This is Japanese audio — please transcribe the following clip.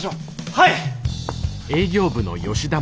はい！